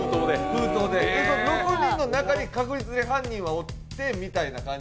６人の中に確実に犯人はおってみたいな感じ。